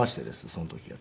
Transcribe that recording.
その時が。